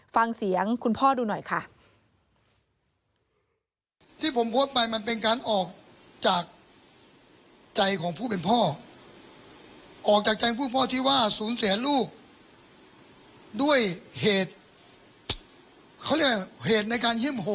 ฟังเสียงคุณพ่อดูหน่อยค่ะ